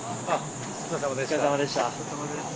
お疲れさまです。